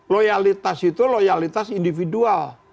loyalitas itu loyalitas individual